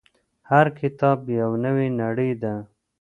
هر کتاب یو نوې نړۍ ده.